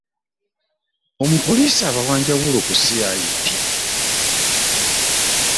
Omupoliisi aba wanjawulo ku CID?